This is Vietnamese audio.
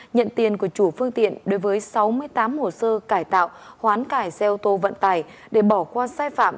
nhận tiền của chủ phương tiện đối với sáu mươi tám hồ sơ cải tạo hoán cải xe ô tô vận tải để bỏ qua sai phạm